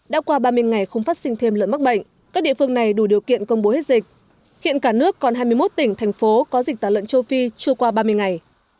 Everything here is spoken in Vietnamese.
đã qua ba mươi ngày không phát sinh thêm lợn mắc bệnh các địa phương này đủ điều kiện công bố hết dịch hiện cả nước còn hai mươi một tỉnh thành phố có dịch tả lợn châu phi chưa qua ba mươi ngày